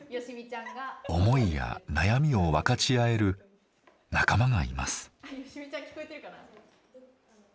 思いや悩みを分かち合える仲間がいます。